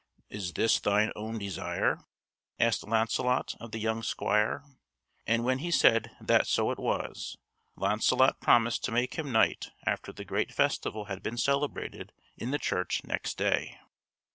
"Is this thy own desire?" asked Launcelot of the young squire; and when he said that so it was, Launcelot promised to make him knight after the great festival had been celebrated in the church next day.